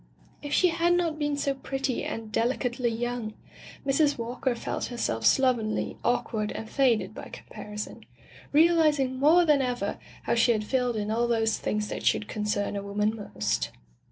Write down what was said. If she had not been so pretty and deli cately young! Mrs. Walker felt herself slov enly, awkward, and faded by comparison, realizing more than ever how she had failed [373 ] Digitized by LjOOQ IC Interventions in all those things that should concern a woman most.